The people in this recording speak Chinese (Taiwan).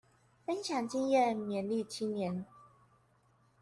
分享經驗勉勵青年